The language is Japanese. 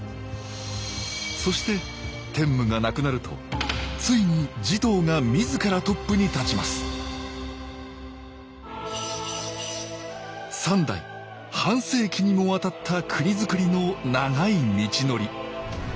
そして天武が亡くなるとついに持統が自らトップに立ちます三代半世紀にもわたった国づくりの長い道のり。